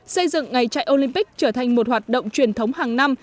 xây dựng ngày chạy olympic trở thành một hoạt động truyền thống hàng năm